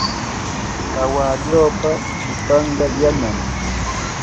Kawalluupa chupanqa yanam.